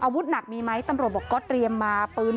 เอาบุดหนักมีไหมตำโรดบอกก็เตรียมมาปืน